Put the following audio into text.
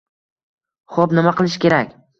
Xo‘p, nima qilish kerak?